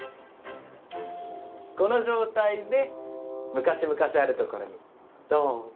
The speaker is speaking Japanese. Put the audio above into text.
この状態で昔々あるところに、どうぞ！